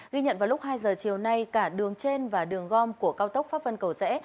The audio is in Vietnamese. ghi nhận vào lúc hai giờ chiều nay cả đường trên và đường gom của cao tốc pháp vân cầu rẽ